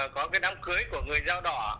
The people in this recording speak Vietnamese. có cái đám cưới của người dao đỏ